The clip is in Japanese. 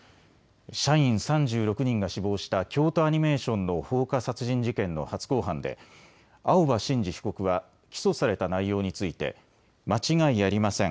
社員３６人が死亡した京都アニメーションの放火殺人事件の初公判で青葉真司被告は起訴された内容について間違いありません。